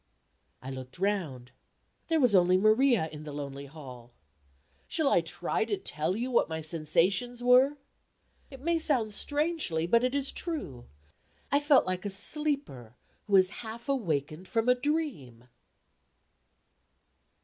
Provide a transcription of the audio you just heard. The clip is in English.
I looked round. There was only Maria in the lonely hall. Shall I try to tell you what my sensations were? It may sound strangely, but it is true I felt like a sleeper, who has half awakened from a dream.